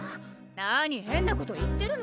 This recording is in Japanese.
何変なこと言ってるの！